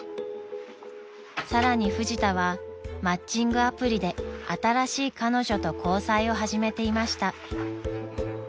［さらにフジタはマッチングアプリで新しい彼女と交際を始めていました］